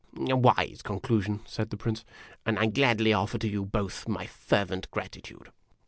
"A wise conclusion," said the Prince; "and I gladly offer to you both my fervent gratitude."